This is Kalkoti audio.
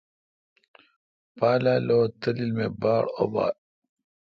پالا لو تلیل می باڑ ابال؟